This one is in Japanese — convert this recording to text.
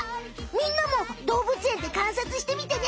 みんなもどうぶつえんでかんさつしてみてね！